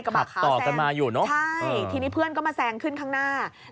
กระบะขาวแซงใช่ทีนี้เพื่อนก็มาแซงขึ้นข้างหน้าขับต่อกันมาอยู่นะ